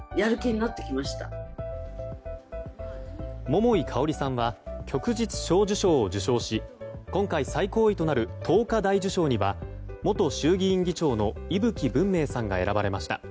桃井かおりさんは旭日小綬章を受章し今回、最高位となる桐花大綬章には元衆議院議長の伊吹文明さんが選ばれました。